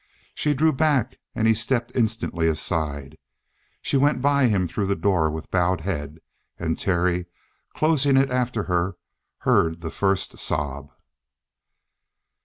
She drew back, and he stepped instantly aside. She went by him through the door with bowed head. And Terry, closing it after her, heard the first sob.